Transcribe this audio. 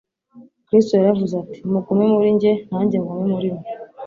Kristo yaravuze ati : «Mugume muri njye, nanjye ngume muri mwe.